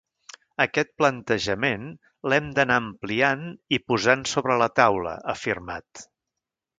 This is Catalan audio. “Aquest plantejament l’hem d’anar ampliant i posant sobre la taula”, ha afirmat.